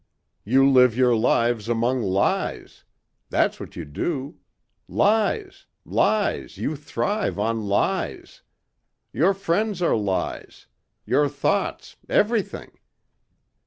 "You live your lives among lies. That's what you do. Lies, lies you thrive on lies. Your friends are lies. Your thoughts, everything.